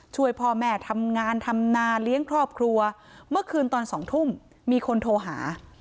ช่วยพ่อแม่ทำงานทำนาเลี้ยงครอบครัวเมื่อคืนตอน๒ทุ่มมีคนโทรหา